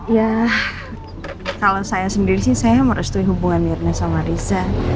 ya kalau saya sendiri sih saya merestui hubungan mirna sama riza